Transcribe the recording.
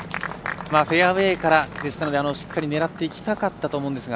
フェアウエーからしっかり狙っていきたかったと思うんですが。